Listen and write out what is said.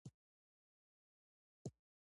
خوله يې له خندا ډکه وه!